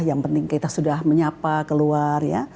yang penting kita sudah menyapa keluar ya